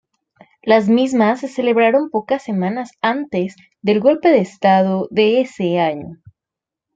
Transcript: Las mismas se celebraron pocas semanas antes del golpe de estado de ese año.